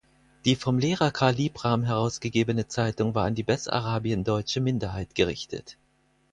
Die vom Lehrer Karl Liebram herausgegebene Zeitung war an die bessarabiendeutsche Minderheit gerichtet.